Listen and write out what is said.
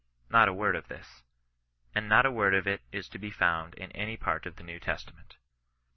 l^ot a word of this. And not a word of it is to be foimd in any part of the New Testament.